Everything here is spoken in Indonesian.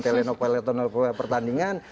telenopel atau pertandingan